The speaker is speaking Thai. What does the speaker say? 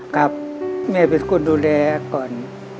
กับแม่เป็นคนดูแลก่อน